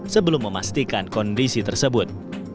sebelum memastikan kondisi tersebut